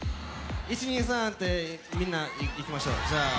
１２３でみんないきましょう！